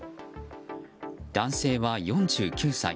男性は４９歳。